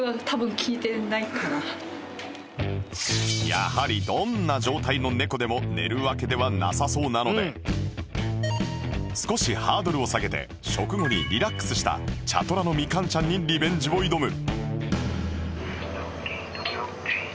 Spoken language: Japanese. やはりどんな状態の猫でも寝るわけではなさそうなので少しハードルを下げて食後にリラックスした茶トラの蜜柑ちゃんにリベンジを挑む